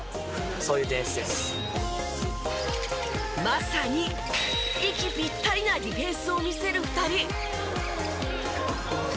まさに息ぴったりなディフェンスを見せる２人。